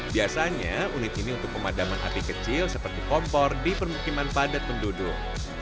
biasanya unit ini untuk pemadaman api kecil seperti kompor di permukiman padat penduduk